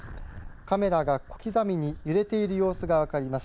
カメラが小刻みに揺れている様子が分かります。